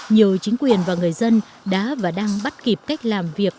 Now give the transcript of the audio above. nhiều chính quyền và người dân đã và đang bắt kịp cách làm việc